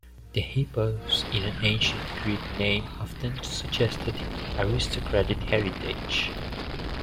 The "hippos" in an ancient Greek name often suggested aristocratic heritage.